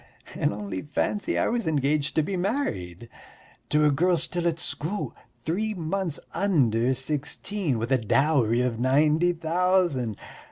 And only fancy, I was engaged to be married to a girl still at school, three months under sixteen, with a dowry of ninety thousand.